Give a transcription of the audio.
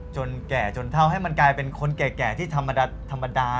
แก่จนเท่าให้มันกลายเป็นคนแก่ที่ธรรมดา